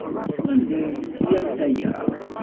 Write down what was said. Anda ay teslam aya?